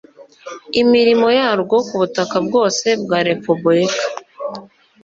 imirimo yarwo ku butaka bwose bwa repubulika